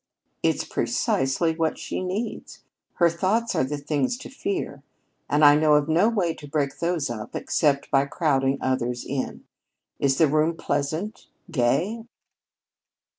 "It's precisely what she needs. Her thoughts are the things to fear, and I know of no way to break those up except by crowding others in. Is the room pleasant gay?"